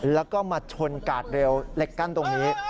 แล้วก็มาชนกาดเร็วเหล็กกั้นตรงนี้